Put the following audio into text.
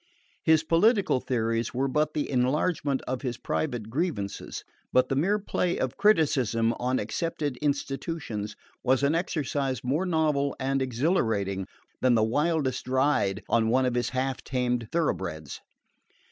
His political theories were but the enlargement of his private grievances, but the mere play of criticism on accepted institutions was an exercise more novel and exhilirating than the wildest ride on one of his half tamed thorough breds.